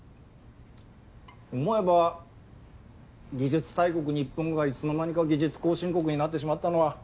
思えば技術大国日本がいつの間にか技術後進国になってしまったのは。